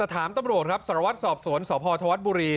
ตำรวจสรวจสอบสวนสภธวัฒน์บุรี